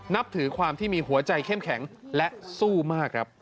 นับถือความที่มีหัวใจเข้มแข็งและสู้มากครับ